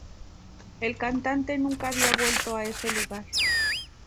El cantante nunca había vuelto a ese lugar.